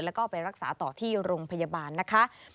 แล้วก็ไปรักษาต่อที่โรงพยาบาลนะคะ